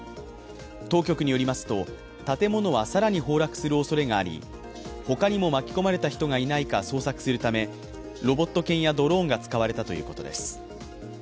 当局によりますと、建物は更に崩落するおそれがあり、他にも巻き込まれた人がいないか捜索するためロボット犬やドローンが使われたということです。